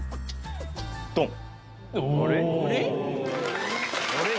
ドン